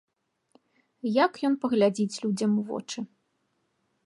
Як ён паглядзіць людзям у вочы?